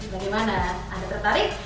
bagaimana anda tertarik